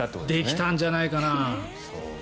できたんじゃないかな。